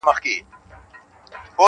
• سرې لمبې په غېږ کي ګرځولای سي -